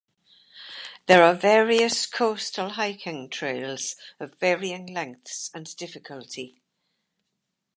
There are various coastal hiking trails of varying lengths and difficulty.